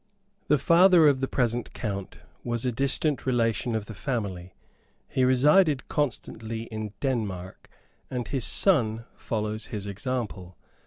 The father of the present count was a distant relation of the family; he resided constantly in Denmark, and his son follows his example.